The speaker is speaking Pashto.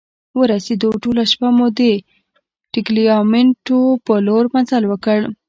ورسیدو، ټوله شپه مو د ټګلیامنتو په لور مزل وکړ.